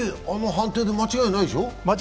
あの判定で間違いないでしょ？